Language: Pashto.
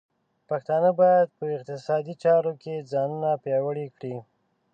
پښتانه بايد په اقتصادي چارو کې ځانونه پیاوړي کړي.